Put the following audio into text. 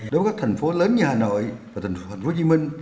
đối với các thành phố lớn như hà nội và thành phố hồ chí minh